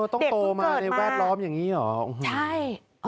โตมาในแวดล้อมอย่างนี้เหรอใช่